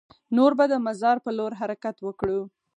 نور به د مزار په لور حرکت وکړو.